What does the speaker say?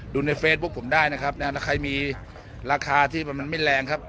ในเฟซบุ๊คผมได้นะครับนะแล้วใครมีราคาที่มันไม่แรงครับ